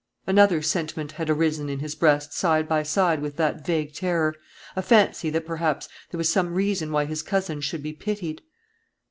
Another sentiment had arisen in his breast side by side with that vague terror, a fancy that perhaps there was some reason why his cousin should be pitied.